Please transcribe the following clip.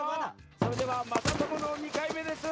それではまさともの２かいめです。